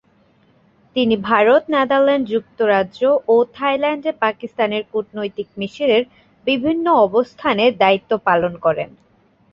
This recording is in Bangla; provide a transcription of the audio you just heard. তিনি ভারত, নেদারল্যান্ড, যুক্তরাজ্য ও থাইল্যান্ডে পাকিস্তানের কূটনৈতিক মিশনের বিভিন্ন অবস্থানে দায়িত্ব পালন করেন।